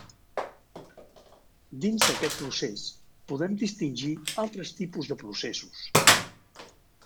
Dins d'aquest procés podem distingir altres tipus de processos.